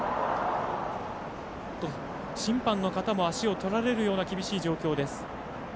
審判の方も足をとられるような厳しい状況。